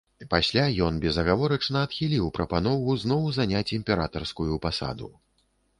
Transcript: Пасля ён безагаворачна адхіліў прапанову зноў заняць імператарскую пасаду.